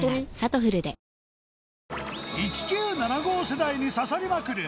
１９７５世代に刺さりまくる